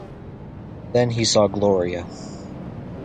Then he saw Gloria.